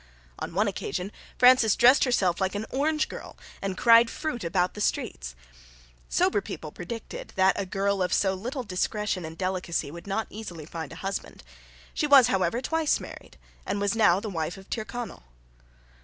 On one occasion Frances dressed herself like an orange girl and cried fruit about the streets. Sober people predicted that a girl of so little discretion and delicacy would not easily find a husband. She was however twice married, and was now the wife of Tyrconnel.